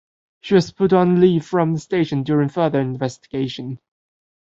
She was put on leave from the station during further investigation.